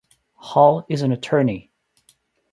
Hall is an attorney.